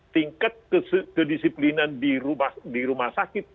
tingkat kedisiplinan di rumah sakit